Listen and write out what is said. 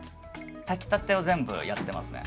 炊きたてを全部やってますね。